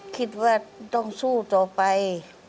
คิดว่าต้องสู้ต่อไป